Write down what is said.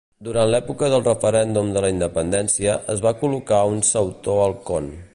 Durant l'època del referèndum de la independència, es va col·locar un sautor al con.